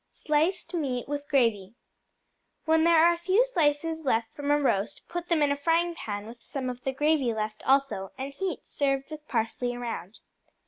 Sliced Meat with Gravy When there are a few slices left from a roast, put them in a frying pan with some of the gravy left also, and heat; serve with parsley around.